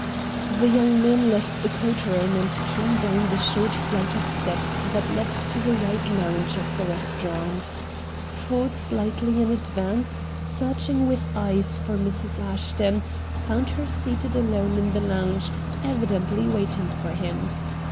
The young men left the coat room and came down the short flight of steps that leads to the wide lounge of the restaurant. Ford slightly in advance, searching with his eyes for Mrs Ashton, found her seated alone in the lounge, evidently waiting for him.